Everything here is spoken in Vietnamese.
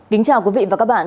kính chào quý vị và các bạn